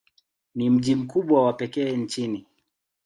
Ni mji mkubwa wa pekee nchini.